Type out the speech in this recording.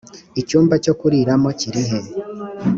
icyumba cyo kuriramo kirihe